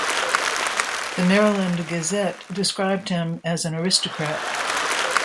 The "Maryland Gazette" described him as an aristocrat.